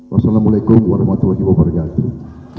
wassalamualaikum warahmatullahi wabarakatuh terima kasih